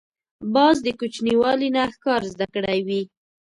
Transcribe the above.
باز د کوچنیوالي نه ښکار زده کړی وي